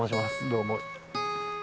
どうも。